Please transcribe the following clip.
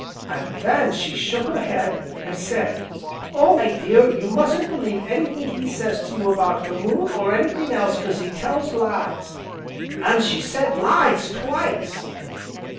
An' then she shook her head, an' said 'Oh! my dear, you mustn't believe anything he says to you about the moon, or anything else, 'cause he tells lies,' an' she said 'lies' twice!"